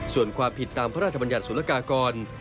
ส่วนความผิดตามพระราชบรรยัตรสูรรคากร